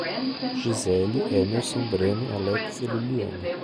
Gisele, Emerson, Breno, Alex e Liliane